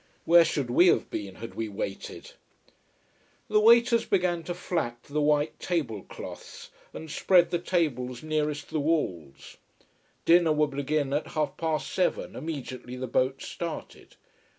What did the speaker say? Where should we have been had we waited! The waiters began to flap the white table cloths and spread the tables nearest the walls. Dinner would begin at half past seven, immediately the boat started.